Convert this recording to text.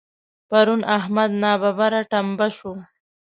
پرون احمد ناببره ټمبه شو.